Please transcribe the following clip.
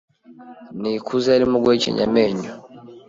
Nikuze yarimo guhekenya amenyo.